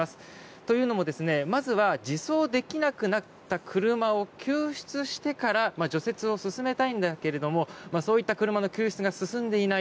というのも、まずは自走できなくなった車を救出してから除雪を進めたいんだけどもそういった車の救出が進んでいない。